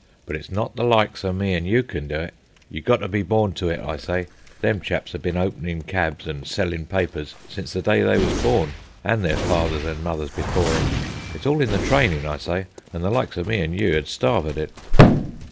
"But it's not the likes of me an' you can do it. You got to be born to it, I say. Them chaps 'ave ben openin' cabs an' sellin' papers since the day they was born, an' their fathers an' mothers before 'em. It's all in the trainin', I say, an' the likes of me an' you 'ud starve at it."